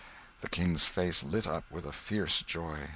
The King's face lit up with a fierce joy.